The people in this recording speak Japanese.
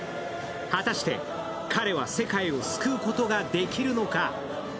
果たして彼は世界を救うことができるのか。